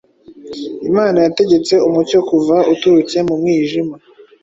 Imana yategetse umucyo kuva uturutse mu mwijima,